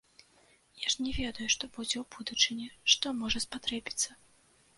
Я ж не ведаю, што будзе ў будучыні, што можа спатрэбіцца.